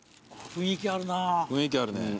雰囲気あるね。